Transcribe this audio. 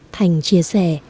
thành chia sẻ